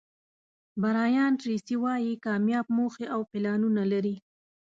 برایان ټریسي وایي کامیاب موخې او پلانونه لري.